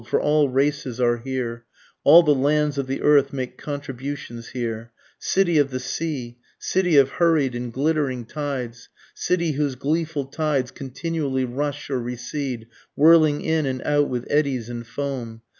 (for all races are here, All the lands of the earth make contributions here;) City of the sea! city of hurried and glittering tides! City whose gleeful tides continually rush or recede, whirling in and out with eddies and foam!